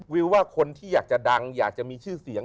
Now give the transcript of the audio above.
วิวว่าคนที่อยากจะดังอยากจะมีชื่อเสียง